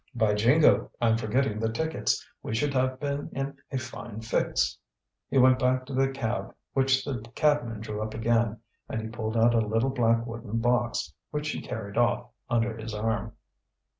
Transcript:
"By jingo! I'm forgetting the tickets. We should have been in a fine fix!" He went back to the cab, which the cabman drew up again, and he pulled out a little black wooden box, which he carried off under his arm.